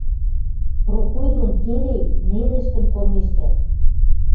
Прокой дон Терей нерӹштӹм кормежтӓт.